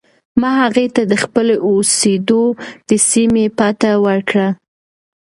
ما هغې ته د خپلې اوسېدو د سیمې پته ورکړه.